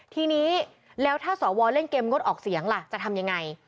ทีนี้แล้วถ้าสวเล่นเกมงดออกเสียงล่ะจะทำยังไง